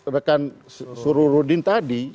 rekan sururudin tadi